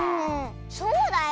そうだよ。